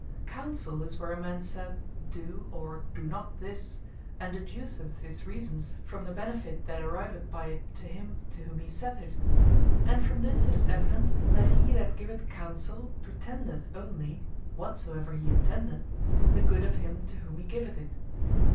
COUNSELL, is where a man saith, "Doe" or "Doe not this," and deduceth his own reasons from the benefit that arriveth by it to him to whom he saith it. And from this it is evident, that he that giveth Counsell, pretendeth onely (whatsoever he intendeth) the good of him, to whom he giveth it.